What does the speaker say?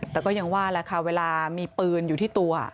แต่ก็ยังว่าแหละค่ะเวลามีปืนอยู่ที่ตัว